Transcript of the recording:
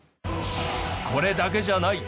これだけじゃない！